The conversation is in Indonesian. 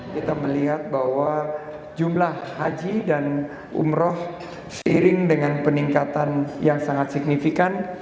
kita melihat bahwa jumlah haji dan umroh seiring dengan peningkatan yang sangat signifikan